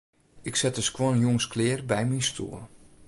Ik set de skuon jûns klear by myn stoel.